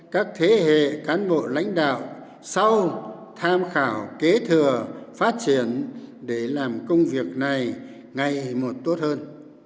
các thế hệ cán bộ lãnh đạo sau tham khảo kế thừa phát triển để làm công việc này ngày một tốt hơn